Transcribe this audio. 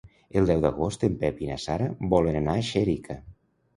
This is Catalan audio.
El deu d'agost en Pep i na Sara volen anar a Xèrica.